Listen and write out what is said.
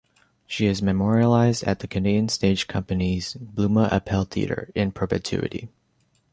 She is memorialized at The Canadian Stage Company's Bluma Appel Theatre in perpetuity.